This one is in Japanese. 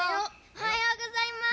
おはようございます！